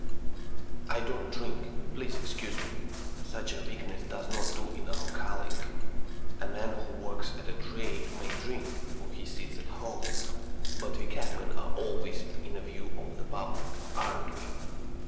"I don't drink; please excuse me. Such a weakness does not do in our calling. A man who works at a trade may drink, for he sits at home, but we cabmen are always in view of the public. Aren't we?